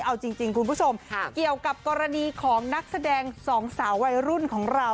เอาจริงคุณผู้ชมเกี่ยวกับกรณีของนักแสดงสองสาววัยรุ่นของเรา